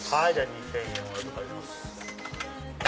２０００円お預かりします。